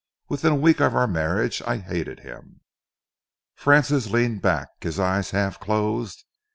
Within a week of our marriage I hated him." Francis leaned back, his eyes half closed.